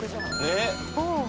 「ねっ！」